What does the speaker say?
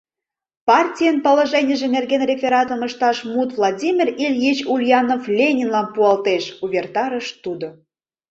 — Партийын положенийже нерген рефератым ышташ мут Владимир Ильич Ульянов-Ленинлан пуалтеш, — увертарыш тудо.